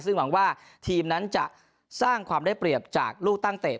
ซึ่งหวังว่าทีมนั้นจะสร้างความได้เปรียบจากลูกตั้งเตะ